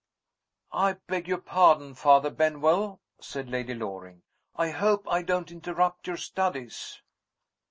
"I beg your pardon, Father Benwell," said Lady Loring; "I hope I don't interrupt your studies?"